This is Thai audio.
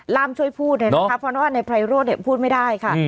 ล่ามช่วยพูดเลยนะคะเพราะว่านายไพโรธพูดไม่ได้ค่ะ